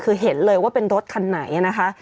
คือเห็นเลยว่าเป็นรถคันไหนนะคะ